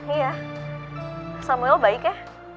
iya samuel baik ya